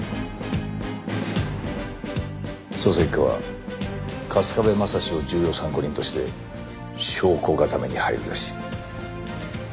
捜査一課は春日部将司を重要参考人として証拠固めに入るらしい。